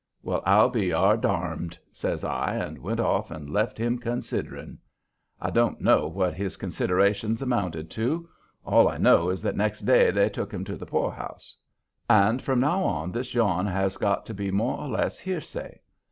"Well, I'll be yardarmed!" says I, and went off and left him "considering." I don't know what his considerations amounted to. All I know is that next day they took him to the poorhouse. And from now on this yarn has got to be more or less hearsay.